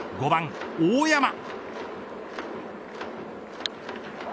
５番、大山。